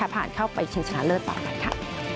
ผ่านเข้าไปชิงชนะเลิศต่อกันค่ะ